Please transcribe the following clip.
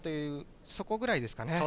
そこくらいですね。